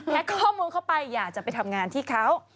ข้อมูลเข้าไปอยากจะไปทำงานที่เขา